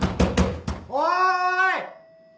おい！